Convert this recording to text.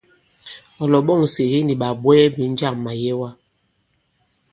Ɔ̀ lɔ̀ɓɔ̂ŋ Nsège nì ɓàbwɛɛ ɓē njâŋ màyɛwa?